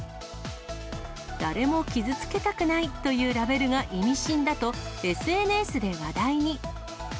誰も傷つけたくないというラベルが意味深だと、ＳＮＳで話題に。